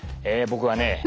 僕はね